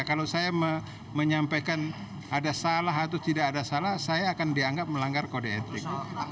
kalau saya menyampaikan ada salah atau tidak ada salah saya akan dianggap melanggar kode etik